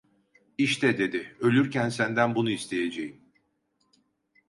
"İşte" dedi, "ölürken senden bunu isteyeceğim."